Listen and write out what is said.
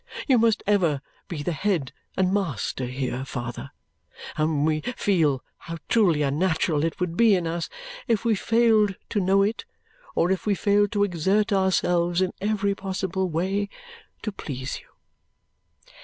You must ever be the head and master here, father; and we feel how truly unnatural it would be in us if we failed to know it or if we failed to exert ourselves in every possible way to please you."